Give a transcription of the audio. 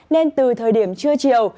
nên từ thời điểm trưa chiều